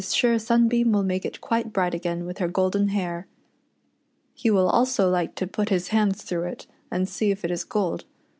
sure Sunbeam will make it quite bright again with her golden hair. He will also like to put his hands through it, and see if it is gold.